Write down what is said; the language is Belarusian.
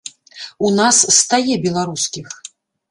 У нас стае беларускіх.